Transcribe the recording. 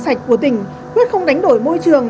sạch của tỉnh quyết không đánh đổi môi trường